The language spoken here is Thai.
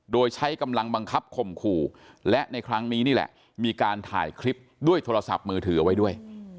โดยใช้กำลังบังคับข่มขู่และในครั้งนี้นี่แหละมีการถ่ายคลิปด้วยโทรศัพท์มือถือเอาไว้ด้วย